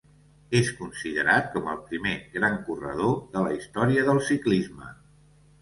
És considerat com el primer gran corredor de la història del ciclisme.